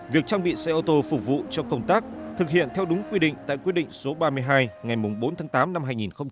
việc trang bị xe ô tô phục vụ cho công tác thực hiện theo đúng quy định tại quyết định số ba mươi hai ngày bốn tháng tám năm hai nghìn một mươi chín